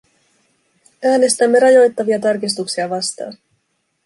Äänestämme rajoittavia tarkistuksia vastaan.